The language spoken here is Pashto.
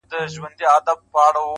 وچ لانده بوټي يې ټوله سوځوله٫